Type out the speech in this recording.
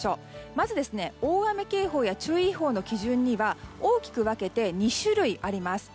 まず、大雨警報や注意報の基準には大きく分けて２種類あります。